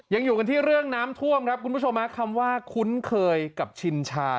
ยังอยู่กันที่เรื่องน้ำท่วมครับคุณผู้ชมคำว่าคุ้นเคยกับชินชา